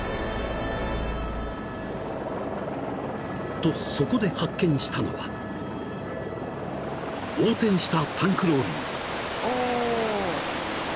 ［とそこで発見したのは横転したタンクローリー］